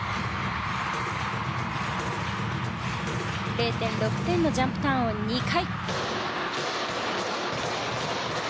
０．６点のジャンプターンを２回！